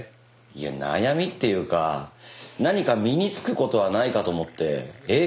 いや悩みっていうか何か身に付く事はないかと思って英会話を。